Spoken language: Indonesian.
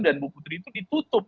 dan bu putri itu ditutup